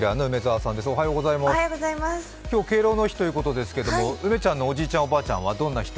今日、敬老の日ということですけども、梅ちゃんのおじいちゃん、おばあちゃんはどんな人？